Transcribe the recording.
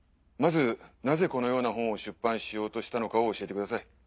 まずなぜこのような本を出版しようとしたのかを教えてください。